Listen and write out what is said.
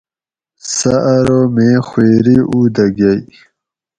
سہۤ ارو میں خویری اُو دہ گۤئ